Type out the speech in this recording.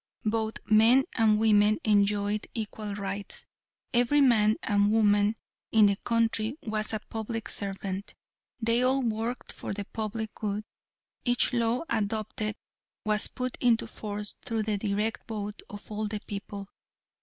Both men and women enjoyed equal rights. Every man and woman in the country was a public servant; they all worked for the public good. Each law adopted was put into force through the direct vote of all the people.